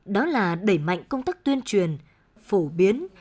đó là đẩy mạnh công tác tuyên truyền phổ biến